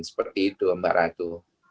seperti itu mbak ratu